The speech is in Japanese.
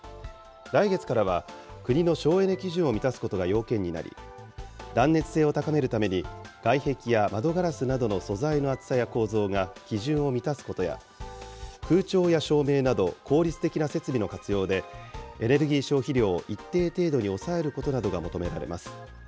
来月からは、国の省エネ基準を満たすことが要件になり、断熱性を高めるために、外壁や窓ガラスなどの素材の厚さや構造が、基準を満たすことや、空調や照明など、効率的な設備の活用で、エネルギー消費量を一定程度に抑えることなどが求められます。